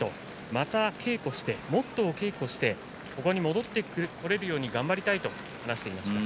また稽古してもっと稽古してここに戻ってこられるように頑張りたいと話していました。